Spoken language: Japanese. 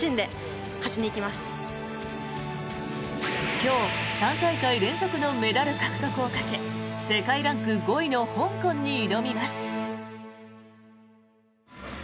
今日、３大会連続のメダル獲得をかけ世界ランク５位の香港に挑みます。